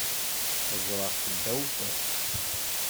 Xeẓẓreɣ-t ddaw tiṭ.